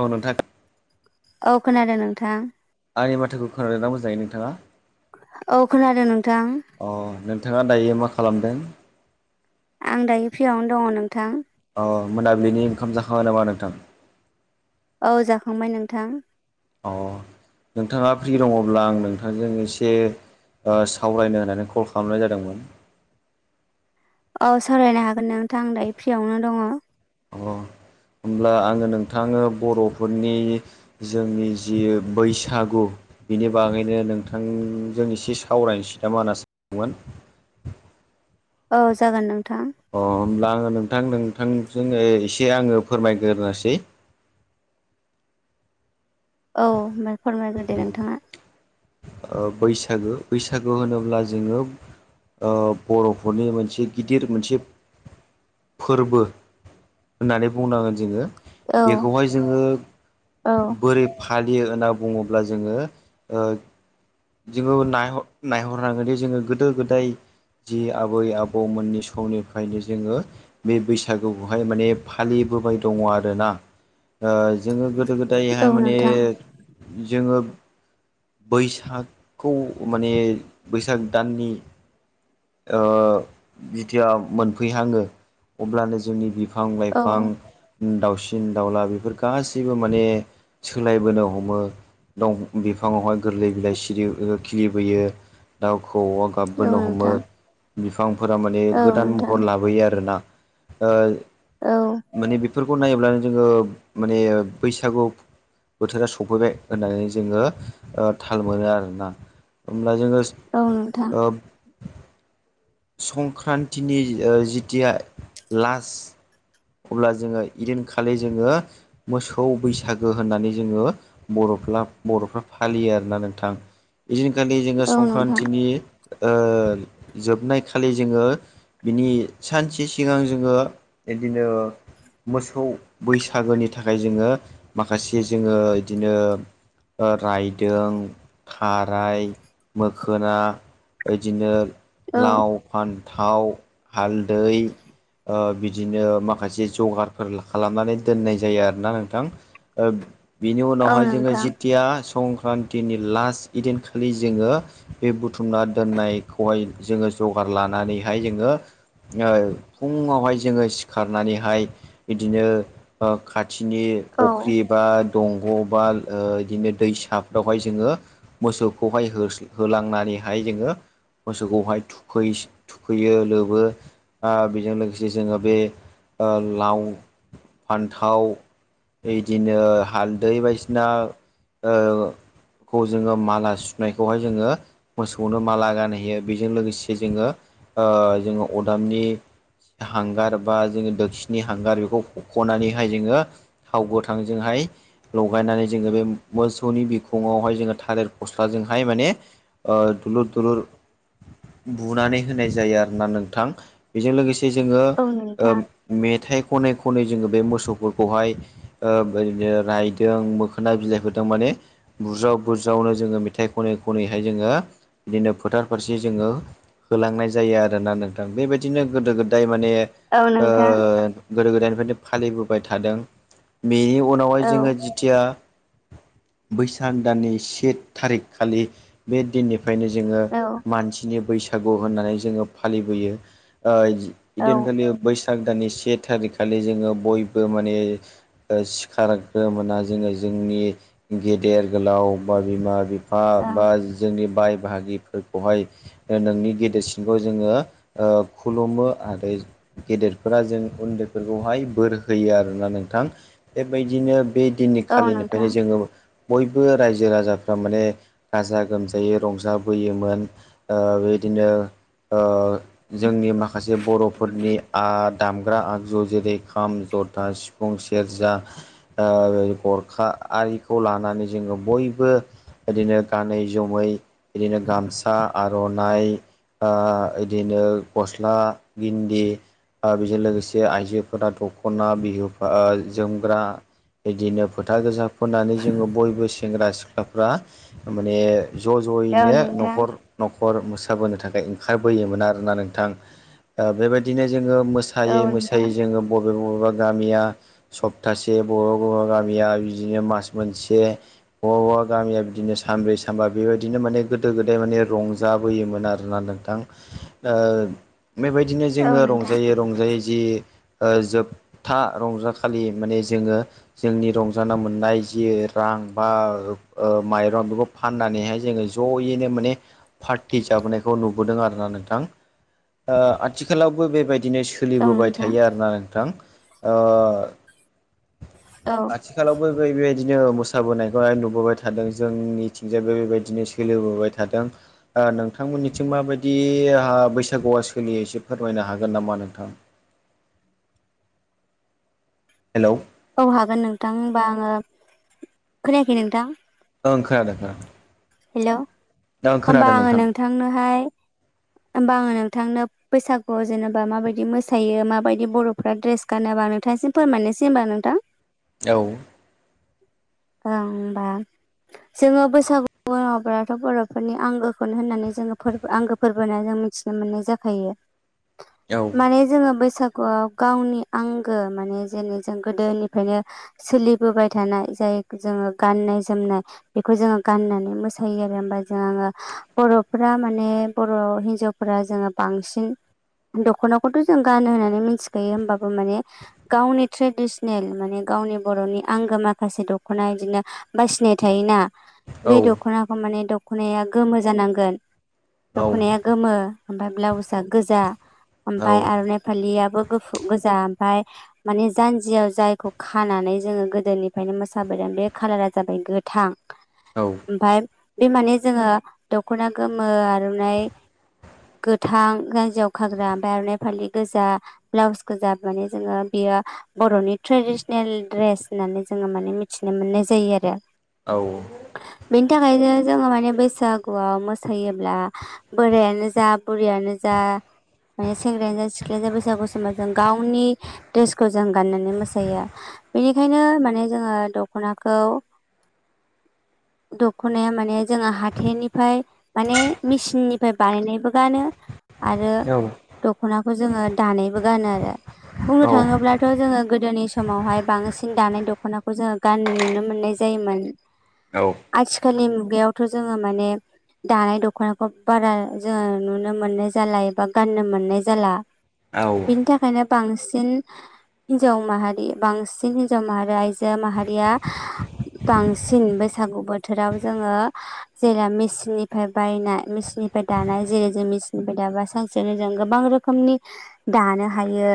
औ नोंथां। औ खोनादों नोंथां। आंनि माथोखौ खोनादोंना मोजाङै नोंथाङा? औ खोनादों नोंथां। अ नोंथाङा दायो मा खालामदों? आं दायो फ्रियावनो दङ' नोंथां। अ मोनाबिलिनि ओंखाम जाखांबाय नामा नोंथां? औ जाखांबाय नोंथां। अ नोंथाङा फ्रि दङ'ब्ला आं नोंथांजों एसे ओ सावरायनो होननानै कल खालामनाय जादोंमोन। औ सावरायनो हागोन नोंथांं दायो फ्रियावनो दङ'। अ होमब्ला आङो नोंथाङो बर'फोरनि जोंनि जि बैसागु बिनि बागैनो नोंथांजों एसे सावरायनोसै नामा होनना सानदोंमोन। औ जागोन नोंथां। अ होमब्ला आङो नोंथां नोंथांजोंनो एसे आङो फोरमायग्रोसै। औ ओमफ्राय फोरमायग्रोदो नोंथाङा। बैसागो बैसागो होनोब्ला जोङो ओ बर'फोरनि मोनसे गिदिर मोनसे फोरबो होननानै बुंनांगोन जोङो औ बेखौहाय जोङो औ बोरै फालियो होनना बुङोब्ला जोङो ओ जोङो नायर नायहरनांगोनदि जोङो गोदो गोदाय जि आबै आबौमोननि समनिफ्रायनो जोङो बे बैसागुखौहाय माने फालिबोबाय दङ आरोना जोङो गोदो गोदायहाय औ माने नोंथां जोङो बैसाग खौ माने बैसाग दाननि जिथिया मोनफैहाङो अब्लानो जोंनि बिफ बिफां औ लाइफां दाउसिन दाउला बेफोर गासैबो माने सोलायबोनो हमो दं बिफाङावहाय गोरलै बिलाइ सि खिलिबोयो दाउ खौऔया औ गाबबोनो हमो। नोंथां बिफांफोरा माने औ गोदान नोंथां महर लाबोयो आरोना ओ औ माने बेफोरखौ नायब्लानो जोङो माने बैसागु बोथोरा सफैबाय होननानै जोङो थाल मोनो आरोना होमब्ला जोङो औ नोंथां। ओ। संक्रान्तिनि जिथिया लास्ट अब्ला जोङो इदिनखालि जोङो मोसौ बैसागो होननानै जोङो बर'फ्ला बर'फ्रा फालियो आरोना नोंथां। बिदिनखालि जोङो औ नोंथां औ संक्रान्तिनि जोबनाय खालि जोङो बिनि सानसे सिगां जोङो बिदिनो मोसौ बैसागोनि थाखाय जोङो माखासे जोङो बिदिनो राइदों खाराय मोखोना बिदिनो लाव फान्थाव हालदै ओ बि बिदिनो माखासे जगारफोर खालामनानै दोननाय जायो आरोना नोंथां ओ बिनि औ उनावहाय जोङो नोंथां जिथिया संक्रान्तिनि लास्ट इदिनखालि जोङो बे बुथुमना दोननायखौहाय जोङो जगार लानानैहाय जोङो फुङावहाय जोङो सिखारनानैहाय बिदिनो खाथिनि औ फख्रि। औ बा दंग' बा बिदिनो दैसाफ्रावहाय जोङो मोसौखौहाय होलांनानैहाय जोङो मोसौखौहाय थु फै थुखैयो लोबो। बेजों लोगोसे जोङो बे लाव फान्थाव बिदिनो हालदै बायदिसिना ओ खौ जोङो माला सुनायखौहाय जोङो मोसौनो माला गानहोयो बेजों लोगोसे जोङो ओ जोङो अरदाबनि हांगार बा जोङो दोबसिनि हांगार बेखौ खख'नानैहाय जोङो थाव गोथांजोंहाय। लगायनानै जोङो बे मोसौनि बिखुङावहाय जोङो थालेर फस्लाजोंहाय माने ओ दुलुर दुलुर बुनानै होनाय जायो आरोना नोंथां बेजों लोगोसे जोङो ओ नोंथां मेथाइ खनै खनै जोङो बे मोसौफोरखौहाय बिनो रायदों मोखोना बिलाइफोरदों माने बुरज्राव बुरज्रावनो जोङो मेथाइ खनै खनैहाय जोङो बिदिनो फोथार फारसे जोङो होलांनाय जायो आरोना नोंथां बेबायदिनो गोदो गोदाय माने औ नोंथां गोदो गोदायनिफ्रायनो फालिबोबाय थादों बेनि उनावहाय औ जोङो खाथिया बैसाग दाननि से थारिख खालि बे दिननि ओंखायनो जोङो औ मानसिनि बैसागु होननानै जोङो फालिबोयो औ इदिनखालि बैसाग दाननि से थारिखखालि जोङो बयबो माने सिखार मोना जोङो जोंनि गेदेर गोलाव बा बिमा बिफा ओ बा जोंनि बाय बाहागिफोरखौहाय नोंनि गेदेरसिनखौ जोङो खुलुमो आरो गेदेरफोरा जों उन्दैफोरखौहाय बोर होयो आरोना नोंथां बेबायदिनो बे दिननि औ नोंथां खालिनिफ्रायनो जोङो बयबो रायजो राजाफ्रा माने गाजा गोमजायै रंजाबोयोमोन ओ बेदिनो ओ जोंनि माखासे बर'फोरनि आं दामग्रा आगजु जेरै खाम जथा सिफुं सेरजा गरखा आरिखौ लानानै जोङो बयबो बिदिनो गानै जोमै बिदिनो गामसा आर'नाइ बिदिनो गस्ला गिन्दि ओ बेजों लोगोसे आइजोफोरा दख'ना बिहुा जोमग्रा बिदिनो फोथा गोजा फोननानै जोङो बयबो सेंग्रा सिख्लाफ्रा माने ज' औ ज'यैनो नोंथां न'खर न'खर मोसाबोनो थाखाय ओंखारबोयोमोन आरोना नोंथां बेबायदिनो जोङो औ मोसायै नोंथां मोसायै जोङो बबे बबेबा गामिया सप्तासे बबेबा बर' गामिया बिदिनो मास मोनसे हौवाबा गिया बिदिनो सानबै सामबाबायदिनो माने गोदो गोदाय माने रंजाबोयोमोन आरोना नोंथां बेबायदिनो औ जोङो नोंथां रंजायै रंजायै जि जोब था रंजाखलि माने जोङो जोंनि रंजानोा मोननाय जि रां बा माइरं बेखौ फाननानैहाय जोङो ज'यैनो माने पार्टि जाबोनायखौ नुबोदों आरोना नोंथां आथिखालावबो बेबायदिनो औ सोलिबोबाय नोंथां थायो आरोना नोंथां औ आथिखालावबो बेबायदिनो मोसाबोनायखौहाय नुबोबाय थादों जोंनिथिंजाय बे बेबायदिनो गेलेबोबाय थादों नोंथांमोननिथिं माबायदि बैसागुआ सोलियो एसे फोरमायनो हागोन नामा नोंथां हेलौ औ हागोन नोंथां होमबा आङो खोनायाखै नोंथां ओं खोनादो नोंथां हेलौ होनबा आङो नोंथां नोंथांनोहाय होमबा आङो नोंथांनो बैसागुआव जेनेबा माबायदि मोसायो माबायदि बर'फ्रा ड्रेस गानोबा नोंथांसिम फोरमायनोसै होनबा नोंथां औ [unintelligible] जोङो बैसागुब्लाथ' बर'फोरनि आंगोखौनो होननानै जोङो फोरबो आंगो फोरबोना जों मिथिनो मोननाय जाखायो औ माने जोङो बैसागुआव गावनि आंगो माने जेरै जों गोदोनिफ्रायनो सोलिबोबाय थानाय जाय जोङो गाननाय जोमनाय। बेखौ जोङो गाननानै मोसायो आरो होमबा जों आङो बर'फ माने बर' हिनजावफोरा जोङो बांसिन दख'नाखौथ' जों गानो होननानै मिथिखायो होमबाबो माने गावनि ट्रेडिसनेल माने गावनि बर'नि आंगो माखासे दख'ना बिदिनो बासिनाय थायोना औ बे दख'नाखौ माने दख'नाया गोमो जानांगोन। औ दख'नाया गोमो ओमफाय ब्लाउस आ गोजा औ ओमफाय आरनाइ फालियाबो गुफु गोजा ओमफ्राय माने जान्जियाव जायखौ खानानै जोङो गोदोनिफ्रायनो मोसाबोदों बे कालारा जाबाय गोथां। औ ओमफाय बे माने जोङो दख'ना गोमो आर'नाइ गोथां रायजोआव खाग्रा ओमफ्राय आर'नाइ फालि गोजा। ब्लाउसखौ गोजा माने जोङो बेयो बर'नि ट्रेडिसनेल ड्रेस होननानै जोङो माने मिथिनो मोननाय जायो आरो। औ बेनि थाखाय जोङो माने बैसागुआव मोसायोब्ला बोरायानो जा बुरियानो जा माने सेंग्रायानो जा सिख्लायानो जा बैसागु समबा जों गावनि द्रेसखौ जों गाननानै मोसायो। बेनिखायनो माने जोङो दख'नाखौ [inaudible] दखनाया माने जोङो हाथायनिफ्राय माने मेसिन निफ्राय बानायनायबो गानो आरो औ दख'नाखौ जोङो दानायबो गानो आरो। बुंनो थाङोब्लाथ' जोङो गोदोनि समावहाय बांसिन दानाय दख दखनाखौ जोङो गाननो नुनो मोननाय जायोमोन। औ आथिखालनि मुगायावथ' जोङो माने दानाय दख'ना बारा जोङो नुनो मोननाय जाला एबा गाननो मोननाय जाला बिनि थाखा खायनो बांसिन हिन्जाव माहारि बांसिन हिन्जाव माहारि आइजो माहारिया बांसिन बैसागु बोथोराव जोङो जेेराव मेचिननिफ्राय बायनाय मेचिननिफाय दानाय जेरै जों मेचिननिफाय दाबा सानसेनो जों गोबां रोखोमनि दानो हायो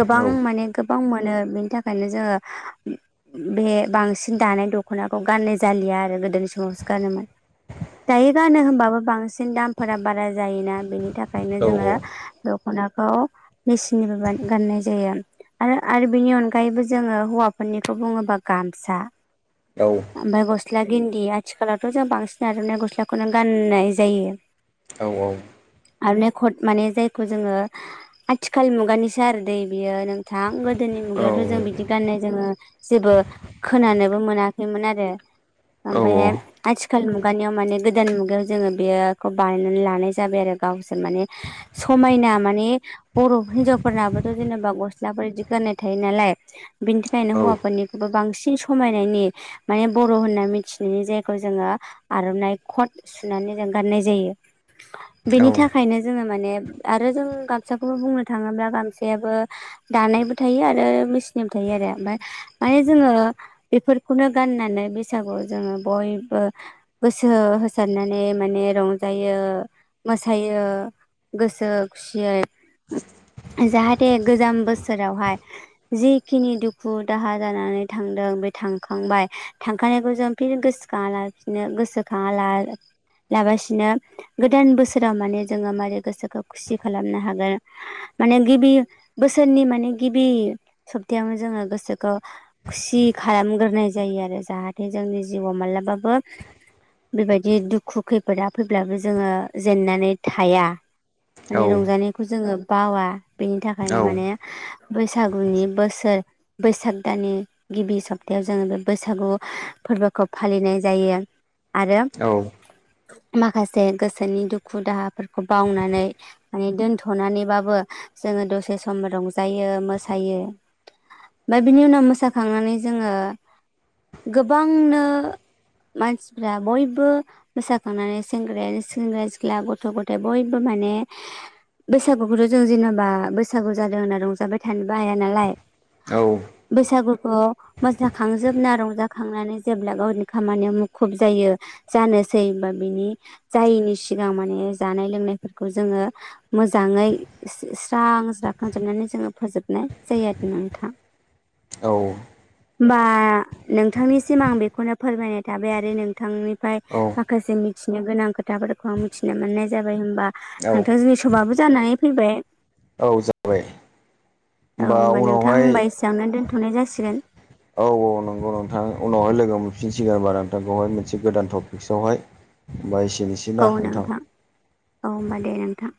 गोबां माने गोबां मोनो बेनि थाखायनो जोङो [inaudible] बे बांसिन दानाय दख'नाखौ गाननाय जालिया आरो गोदोनि समावसो गानोमोन। दायो गानो होमबाबो बांसिन दामफोरा बारा जायोना बेनि थाखायनो जोङो दख'नाखौ मेसिननिबो गाननाय जायो। आरो आरो बेनि अनगायैबो जोङो हौवाफोरनिखौ बुङोबा गामसा। औ ओमफ्राय गस्ला गिन्दि आथिखालावथ' जों बांसिन आरना गस्लाखौनो गाननाय जायो। औ औ आर'नाइ कत माने जायखौ जोङो आथिखाल मुगानिसो आरो दै बियो नोंथां गोदोनि मुगायावथ' जों बिदि गाननाय जोमनाय जेबो खोनानोबो मोनाखैमोन आरो। औ औ ओमफायहाय आथिखाल मुगानियाव माने गोदान मुगायाव जोङो बेखौ बानायनानै लानाय जाबाय आरो गावसोर माने समायना माने बर' हिन्जावफोरनाबोथ' जेनेबा गस्लाफोर बिदि गाननाय थायो नालाय बिनि थाखायनो हौवाफोरनिखौबो बांसिन समायनायनि माने बर' होनना मिथिनायनि जायखौ जोङो आर'नाइ खट सुनानै जों गाननाय जायो बेनि थाखायनो जोङो माने आरो जों गामसाखौबो बुंनो थाङोब्ला गामसायाबो दानायबो थायो आरो मेचिननिबो थायो आरो ओमफाय माने जोङो बेफोरखौनो गाननानै बैसागुआव जोङो बयबो गोसो होसारनानै माने रंजायो मोसायो गोसो खुसियै जाहाथे गोजाम बोसोरावहाय जिखिनि दुखु दाहा जानानै थांदों बे थांखांबाय थांखानायखौ जों फिन गोसोखाङा लासिनो गोसोखाङा ला लाबासिनो गोदान बोसोराव माने जोङो मारै गोसोखौ खुसि खालामनो हागोन माने गिबि बोसोरनि माने गिबि सप्तायावनो जोङो गोसोखौ खुसि खालामग्रोनाय जायो आरो। जाहाथे जोंनि जिउआव मालाबाबो बेबायदि दु खु खैफोदा फैब्लाबो जोङो जेनन्नानै थाया। माने रंजानाय खौ जोङो बावा बेनि थाखायनो माने बैसागुनि बोसोर बैसाग दाननि गिबि सप्तायाव जोङो बे बैसागु फोरबोखौ फालिनाय जायो। आरो औ माखासे गोसोनि दुखु दाहाफोरखौ बावनानै माने दोनथ'नानैबाबो जोङो दसे सम रंजायो मोसायो। ओमफाय बिनि उनाव मोसाखांनानै जोङो गोबांनो मानसिफ्रा बयबो मोसाखांनानै सेंग्रायानो सेंग्रा सिख्ला गथ' गथाय बयबो माने बैसागुखौथ' जों जेन'बा बैसागु जादों होनना रंजाबाय थानोबो हाया नालाय औ बैसागुखौ मोसाखांजोबना रंजाखांनानै जेब्ला गावनि खामानियाव मुखुब जायो जानो सै बा बिनि जायैनि सिगां माने जानाय लोंनायफोरखौ जोङो मोजाङै स्रां जाखांजोबनानै जोङो फोजोबनाय जायो आरोना नोंथां। औ होमबा नोंथांनिसिम आं बेखौनो फोरमायनाय थाबाय आरो नोंथांनिफाय माखासे मिथिनो गोनां खोथाफोरखौ आं मिथिनो मोननाय जाबाय होमबा नोंथां [unintelligible] थ'बाबो जानानै फैबाय औ जाबाय होमबा उनावहाय दामनानै दोन्थ'नाय जासिगोन औ औ नोंगौ नोंथां उनावहाय लोगो मोनफिनसिगोन होनबा नोंथांखौहाय मोनसे गोदान टपिक्सआवहाय। बाय एसेनि औ नोंथां औ होमबा दे नोंथां।